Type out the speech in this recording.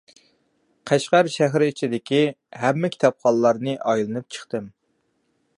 قەشقەر شەھىرى ئىچىدىكى ھەممە كىتابخانىلارنى ئايلىنىپ چىقتىم.